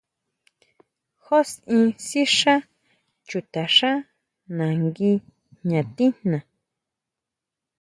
Jusin sixá chutaxá nangui jña tijnaa.